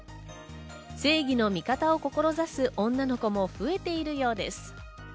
正義の味方を志す女の子も増えているようです。